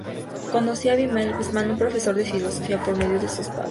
Conoció a Abimael Guzmán, un profesor de filosofía, por medio de sus padres.